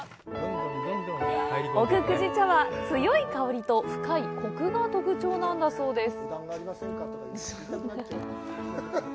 奥久慈茶は、強い香りと深いコクが特徴なんだそうです。